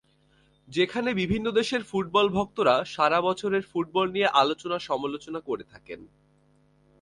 যেখানে বিভিন্ন দেশের ফুটবল-ভক্তরা সারা বছরের ফুটবল নিয়ে আলোচনা-সমালোচনা করে থাকে।